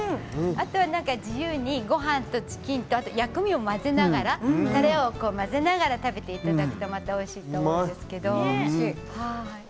あとは自由にごはんとチキンと薬味を混ぜながらたれを混ぜながら食べていただくとおいしいと思うんですけれども。